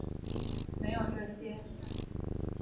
没有这些